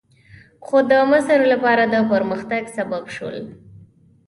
خو د مصر لپاره د پرمختګ سبب شول.